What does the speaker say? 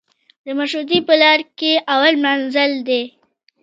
د مشروطې په لار کې اول منزل دی.